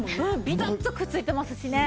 ビタッとくっついてますしね。